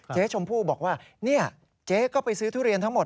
เจ๊ชมพู่บอกว่าเจ๊ก็ไปซื้อทุเรียนทั้งหมด